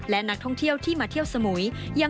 และนักท่องเที่ยวที่มาเที่ยวสมุย